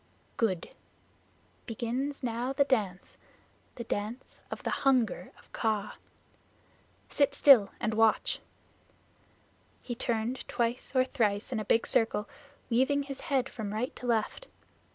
"Good. Begins now the dance the Dance of the Hunger of Kaa. Sit still and watch." He turned twice or thrice in a big circle, weaving his head from right to left.